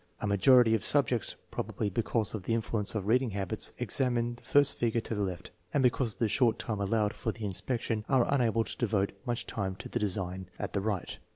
A majority of subjects, probably because of the influence of reading habits, ex amine first the figure to the left, and because of the short time allowed for the inspection are unable to devote much time to the design at the right.